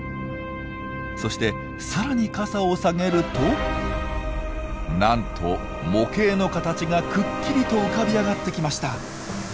そして更に傘を下げるとなんと模型の形がくっきりと浮かび上がってきました！